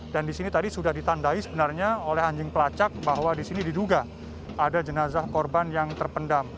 dan di sini tadi sudah ditandai sebenarnya oleh anjing pelacak bahwa di sini diduga ada jenazah korban yang terpendam